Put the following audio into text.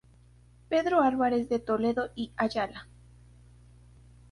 Pedro Álvarez de Toledo y Ayala.